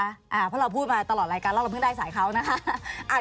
เพราะเราพูดมาตลอดรายการแล้วเราเพิ่งได้สายเขานะคะ